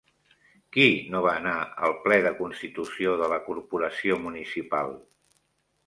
Qui no va anar al ple de constitució de la corporació municipal?